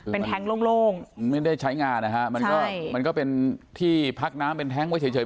เป็นแท้งโล่งไม่ได้ใช้งานนะฮะมันก็มันก็เป็นที่พักน้ำเป็นแท้งไว้เฉย